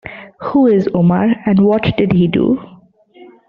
Who is Omar and what did he do?